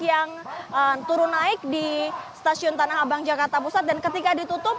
yang turun naik di stasiun tanah abang jakarta pusat dan ketika ditutup